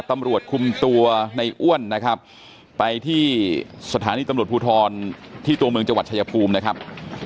ตำรวจคุมตัวในอ้วนนะครับไปที่สถานีตำรวจภูทรที่ตัวเมืองจังหวัดชายภูมินะครับ